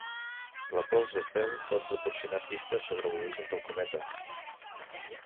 La pols d'estel pot proporcionar pistes sobre l'origen del cometa.